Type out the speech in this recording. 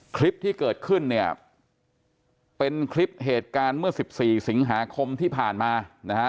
คลิปที่เกิดขึ้นเนี่ยเป็นคลิปเหตุการณ์เมื่อ๑๔สิงหาคมที่ผ่านมานะฮะ